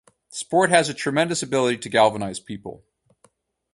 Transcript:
Sport has a tremendous ability to galvanise people.